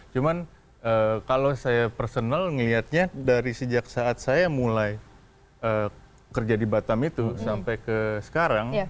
cuman kalau saya personal melihatnya dari sejak saat saya mulai kerja di batam itu sampai ke sekarang